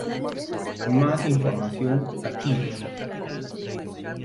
Más información "aquí".